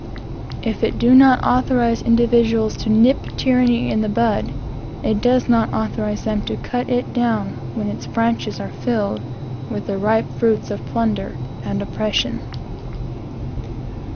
If it do not authorize individuals to nip tyranny in the bud, it does not authorize them to cut it down when its branches are filled with the ripe fruits of plunder and oppression.